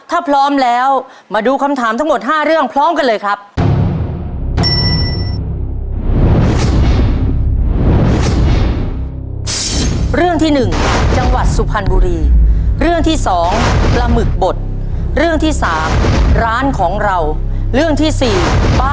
ถ้าพร้อมแล้วมาดูคำถามทั้งหมด๕เรื่องพร้อมกันเลยครับ